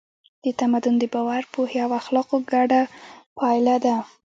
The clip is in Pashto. تمدن د باور، پوهې او اخلاقو ګډه پایله ده.